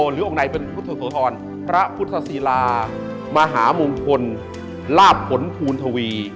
หรือองค์ไหนเป็นพุทธโสธรพระพุทธศิลามหามงคลลาบผลภูณทวี